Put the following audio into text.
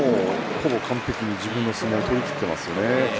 ２日間はほぼ完璧に自分の相撲を取っていますよね